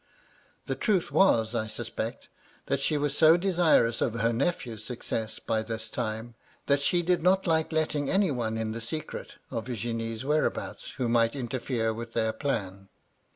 The truth was, I suspect, that she was so desirous of her nephew's success by this time, that she did not like letting any one into the secret of Virginie's whereabouts who might interfere with their plan.